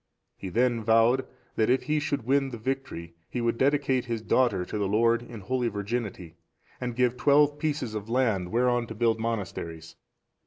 He then vowed, that if he should win the victory, he would dedicate his daughter to the Lord in holy virginity, and give twelve pieces of land whereon to build monasteries.